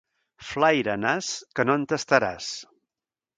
Flaira, nas, que no en tastaràs.